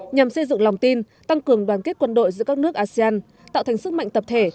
nhằm xây dựng lòng tin tăng cường đoàn kết quân đội giữa các nước asean tạo thành sức mạnh tập thể